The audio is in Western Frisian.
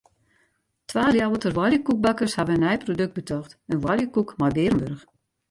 Twa Ljouwerter oaljekoekbakkers hawwe in nij produkt betocht: in oaljekoek mei bearenburch.